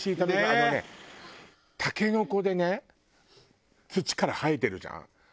あのねタケノコでね土から生えてるじゃん。